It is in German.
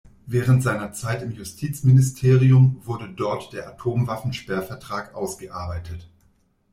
Während seiner Zeit im Justizministerium wurde dort der Atomwaffensperrvertrag ausgearbeitet.